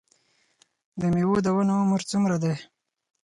د میوو د ونو عمر څومره دی؟